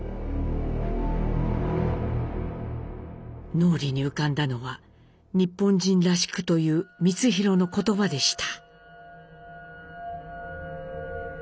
脳裏に浮かんだのは「日本人らしく」という光宏の言葉でした。